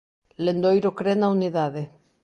Lendoiro cre na unidade.